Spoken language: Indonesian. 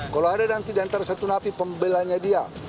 kalau ada nanti di antara satu napi pembelanya dia